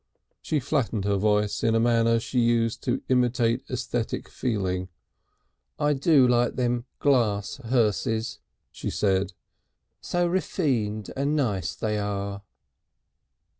She flattened her voice in a manner she used to intimate aesthetic feeling. "I do like them glass hearses," she said. "So refined and nice they are."